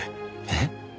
えっ？